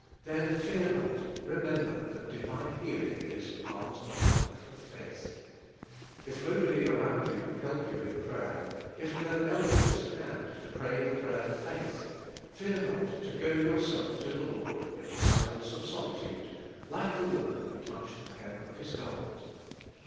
Then fear not, remem ber that divine healing is a part of the life of faith. If nobody around you can help you in prayer, if no "elder" is at nrvcre HEAimG. 25 hand to pray the prayer of faith, fear not to go yourself to the Lord in the mlenae of solitude, like the woman who touched the hem of His garment.